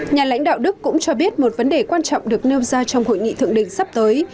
nhà lãnh đạo đức cũng cho biết một vấn đề quan trọng được nêu ra trong hội nghị thượng đỉnh sắp tới